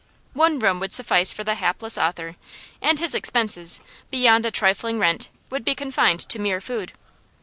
One room would suffice for the hapless author, and his expenses, beyond a trifling rent, would be confined to mere food.